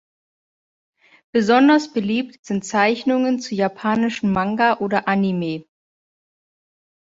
Besonders beliebt sind Zeichnungen zu japanischen Manga oder Anime.